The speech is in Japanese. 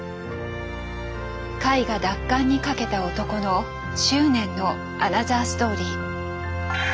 絵画奪還に懸けた男の執念のアナザーストーリー。